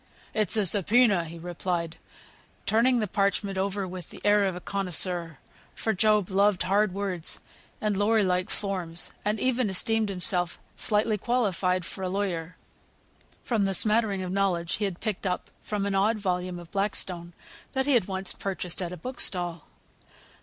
"It's a sub poena," he replied, turning the parchment over with the air of a connoisseur; for Job loved hard words, and lawyer like forms, and even esteemed himself slightly qualified for a lawyer, from the smattering of knowledge he had picked up from an odd volume of Blackstone that he had once purchased at a book stall.